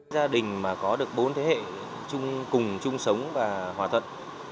gia đình mà có được bốn thế hệ chung cùng chung sống và hòa thuận